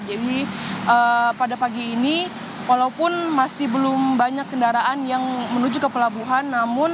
pada pagi ini walaupun masih belum banyak kendaraan yang menuju ke pelabuhan